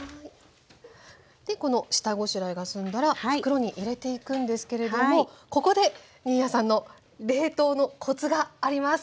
でこの下ごしらえが済んだら袋に入れていくんですけれどもここで新谷さんの冷凍のコツがあります。